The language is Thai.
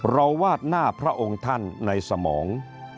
วาดหน้าพระองค์ท่านในสมอง